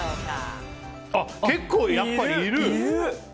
結構やっぱりいる！